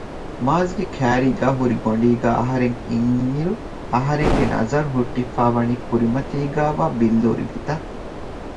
މާޒްގެ ކައިރީގައި ހުރި ގޮނޑީގައި އަހަރެން އިންއިރު އަހަރެންގެ ނަޒަރު ހުއްޓިފައިވަނީ ކުރިމަތީގައިވާ ބިއްލޫރި ބިތަށް